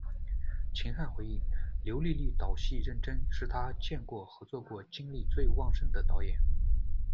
秦汉回忆，刘立立导戏认真，是他见过合作过精力最旺盛的导演。